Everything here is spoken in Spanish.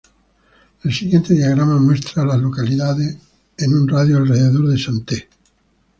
El siguiente diagrama muestra a las localidades en un radio de de Santee.